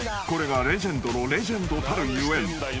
［これがレジェンドのレジェンドたるゆえん］